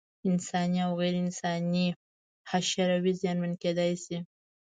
انسان او غیر انساني حشراوې زیانمن کېدای شي.